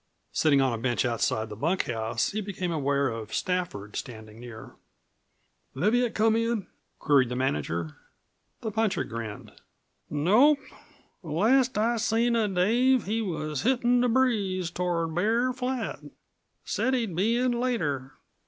Sitting on a bench outside the bunkhouse he became aware of Stafford standing near. "Leviatt come in?" queried the manager. The puncher grinned. "Nope. Last I seen of Dave he was hittin' the breeze toward Bear Flat. Said he'd be in later."